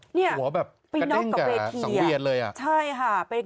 หัวแบบกระดิ้งกับสังเวียนเลยอ่ะนี่ไปน็อกกับเวทีใช่ค่ะ